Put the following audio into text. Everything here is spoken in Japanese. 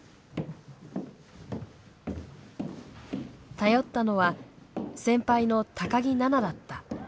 頼ったのは先輩の木菜那だった。